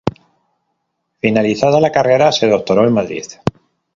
Finalizada la carrera, se doctoró en Madrid.